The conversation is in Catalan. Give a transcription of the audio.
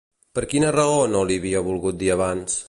Per quina raó no li havia volgut dir abans?